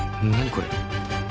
これ。